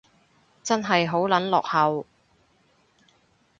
真係好撚落後